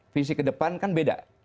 visi ke depan kan beda